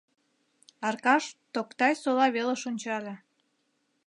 Аркаш Токтай-Сола велыш ончале.